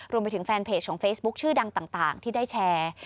รวมไปถึงแฟนเพจของเฟซบุ๊คชื่อดังต่างที่ได้แชร์